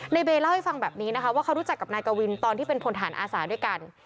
เบยเล่าให้ฟังแบบนี้นะคะว่าเขารู้จักกับนายกวินตอนที่เป็นพลฐานอาสาด้วยกัน